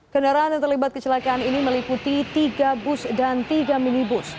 kendaraan yang terlibat kecelakaan ini meliputi tiga bus dan tiga minibus